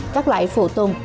các loại phụ tùng